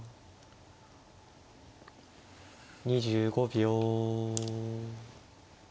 ２５秒。